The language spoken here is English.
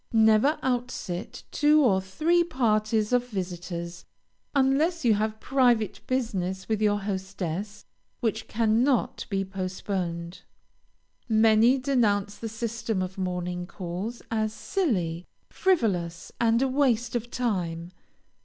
Never out sit two or three parties of visitors, unless you have private business with your hostess which cannot be postponed. Many denounce the system of morning calls as silly, frivolous, and a waste of time.